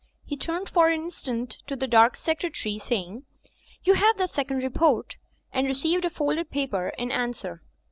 He turned for an instant to the dark secretary, saying, "You have that second re port?" and received a folded paper in answer.